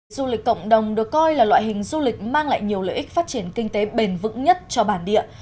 du lịch cộng đồng được coi là loại hình du lịch mang lại nhiều lợi ích phát triển kinh tế bền vững nhất cho bản địa